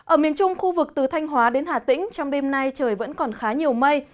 ở miền trung khu vực từ thanh hóa đến hà tĩnh trong đêm nay trời vẫn còn khá nhiều mây